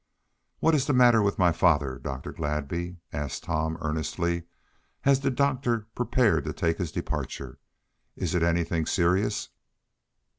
"What is the matter with my father, Dr. Gladby?" asked Tom earnestly, as the doctor prepared to take his departure. "Is it anything serious?"